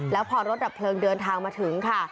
แล้วพอรถดับเพลิงเดินทางมาถึงค่ะ